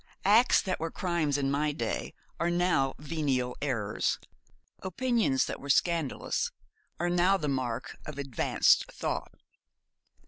Acts that were crimes in my day are now venial errors opinions that were scandalous are now the mark of "advanced thought."